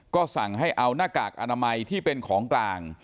ก็สั่งให้เอาหน้ากากอนามัยที่เป็นของกลาง